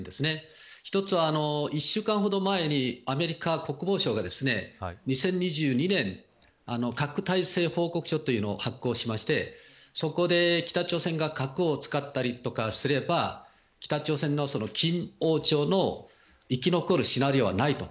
２週間ほど前にアメリカ国防省が２０２２年に核体制報告書を発表して、北朝鮮が核を使ったりすれば北朝鮮の金王朝の生き残るシナリオはないと。